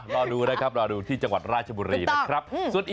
รอดูนะครับรอดูที่จังหวัดราชบุรีนะครับ